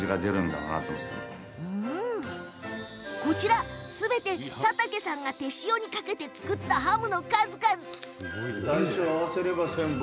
こちら、すべて佐竹さんが手塩にかけて作ったハム。